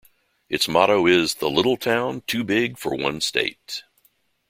Its motto is The Little Town Too Big for One State.